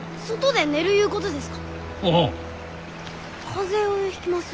風邪をひきます。